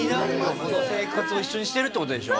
この生活を一緒にしてるって事でしょ？